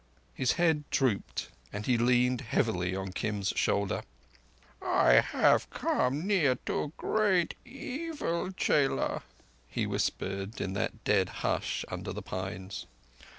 His head drooped, and he leaned heavily on Kim's shoulder. "I have come near to great evil, chela," he whispered in that dead hush under the pines.